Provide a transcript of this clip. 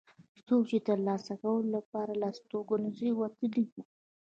څوک چې د ترلاسه کولو لپاره له استوګنځیو وتلي.